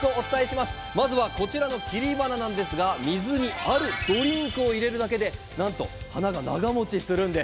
まずは、こちらの切り花水にあるドリンクを入れるだけでなんと花が長もちするんです。